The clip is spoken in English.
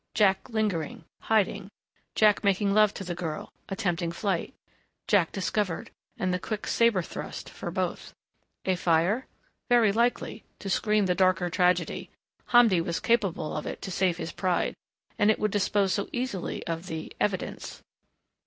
Jack lingering, hiding.... Jack making love to the girl, attempting flight.... Jack discovered and the quick saber thrust for both. A fire?... Very likely to screen the darker tragedy. Hamdi was capable of it to save his pride. And it would dispose so easily of the evidence.